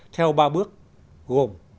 theo ba bước gồm